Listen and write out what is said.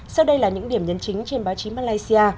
sau đây là những điểm nhấn chính trên báo chí malaysia